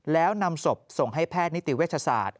แล้วนำศพส่งให้แพทย์นิติเวชศาสตร์